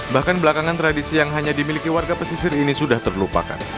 bahkan belakangan tradisi yang hanya dimiliki warga pesisir ini sudah terlupakan